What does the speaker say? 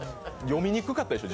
読みにくかったでしょ？